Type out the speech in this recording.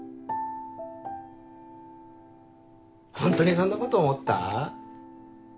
本当にそんなこと思った？